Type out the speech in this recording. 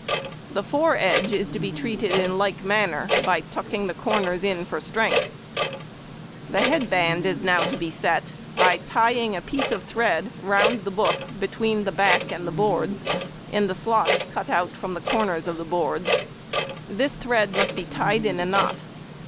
The foredge is to be treated in like manner, by tucking the corners in for strength. The head band is now to be set, by tying a piece of thread round the book between the back and the boards in the slots cut out from the corners of the boards; this thread must be tied in a knot.